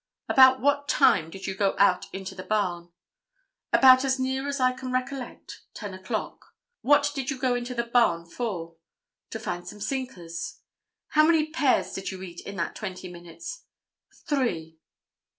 "About what time did you go out into the barn?" "About as near as I can recollect, 10 o'clock." "What did you go into the barn for?" "To find some sinkers." "How many pears did you eat in that twenty minutes?" "Three."